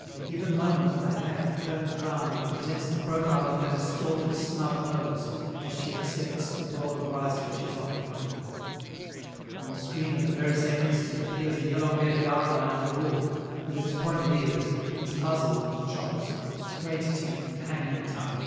At a given moment the hag turns round and presents the profile of her distorted snub nose as she accepts the bowl of rice which is offered to her; on the screen at the very same instant appears the elongated outline of the wolf, with its pointed ears, its muzzle and chops, its great teeth and hanging tongue.